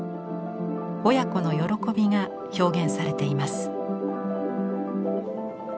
親子の喜びが表現されています。